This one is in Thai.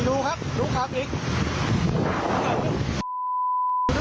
คุณขับรถสาธารณะนะ